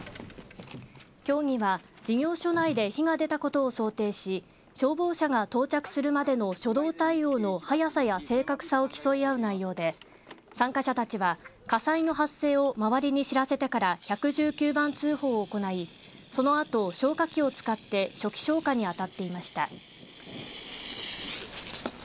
競技は、事業所内で火が出たことを想定し消防車が到着するまでの初動対応の早さや正確さを競い合う内容で参加者たちは、火災の発生を周りに知らせてから１１９番通報を行いそのあと消火器を使って初期消火に当たっていました。